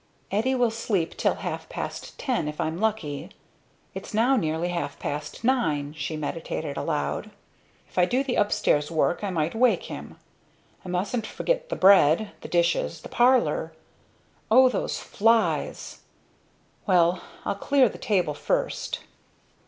"Eddie will sleep till half past ten if I'm lucky. It's now nearly half past nine," she meditated aloud. "If I do the upstairs work I might wake him. I mustn't forget the bread, the dishes, the parlor O those flies! Well I'll clear the table first!"